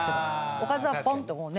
おかずはポンッともうね。